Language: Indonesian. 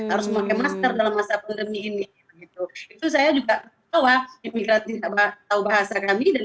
harus memakai masker dalam masa penerbangan itu saya juga bahwa imigrat kita tahu bahasa kami dan